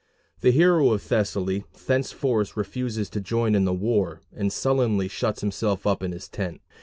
The hero of Thessaly thenceforth refuses to join in the war, and sullenly shuts himself up in his tent.